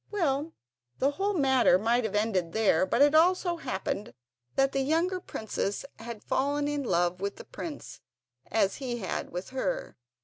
Well, the whole matter might have ended there; but it so happened that the younger princess had fallen in love with the prince, as he had with her.